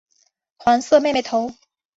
黄色妹妹头。